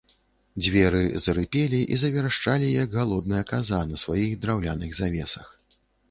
Дзверы зарыпелі і заверашчалі, як галодная каза, на сваіх драўляных завесах.